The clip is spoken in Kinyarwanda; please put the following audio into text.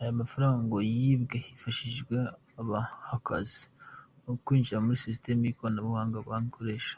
Aya mafaranga ngo yibwe hifashishijwe aba-hackers mu kwinjirira ‘system’ y’ikoranabuhanga banki ikoresha.